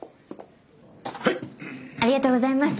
ありがとうございます。